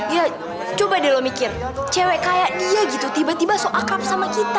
ya coba deh lo mikir cewek kayak dia gitu tiba tiba so akrab sama kita